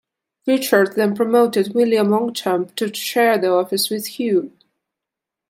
Richard then promoted William Longchamp to share the office with Hugh.